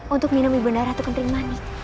untuk minum ibu darah tukang terima